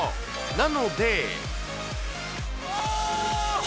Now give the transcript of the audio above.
なので。